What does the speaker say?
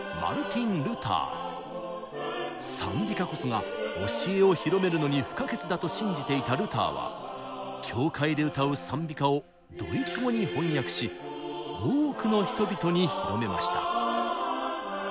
賛美歌こそが教えを広めるのに不可欠だと信じていたルターは教会で歌う賛美歌をドイツ語に翻訳し多くの人々に広めました。